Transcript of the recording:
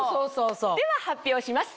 では発表します。